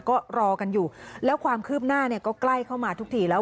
ก็รอกันอยู่แล้วความคืบหน้าเนี่ยก็ใกล้เข้ามาทุกทีแล้ว